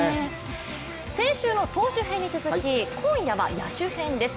先週の投手編に続き今夜は野手編です。